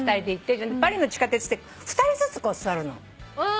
パリの地下鉄って２人ずつこう座るの。